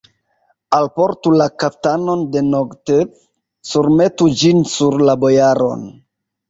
Alportu la kaftanon de Nogtev, surmetu ĝin sur la bojaron!